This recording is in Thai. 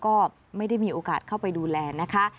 ก็ไม่ได้มีโอกาสเข้าไปดูแลนะคะ